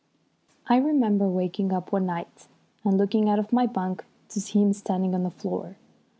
I remember waking up one night and looking out of my bunk to see him standing on the floor.